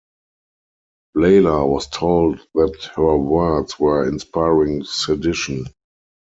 Leyla was told that her words were inspiring sedition.